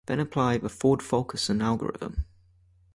Then apply the Ford-Fulkerson algorithm.